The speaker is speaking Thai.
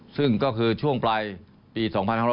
ซึ่งก็คือช่วงปลายปี๒๕๖๐